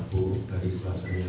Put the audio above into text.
terus selanjut dilanjutkan dengan